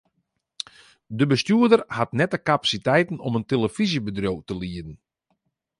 De bestjoerder hat net de kapasiteiten om in telefyzjebedriuw te lieden.